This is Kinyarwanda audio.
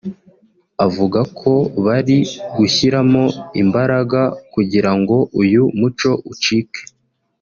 avuga ko bari gushyiramo imbaraga kugirango uyu muco ucike